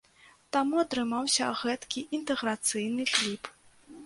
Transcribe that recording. Таму атрымаўся гэткі інтэграцыйны кліп.